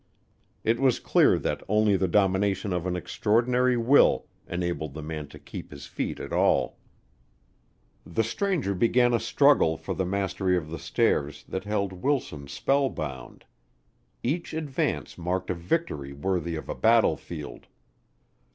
It was clear that only the domination of an extraordinary will enabled the man to keep his feet at all. The stranger began a struggle for the mastery of the stairs that held Wilson spellbound. Each advance marked a victory worthy of a battlefield.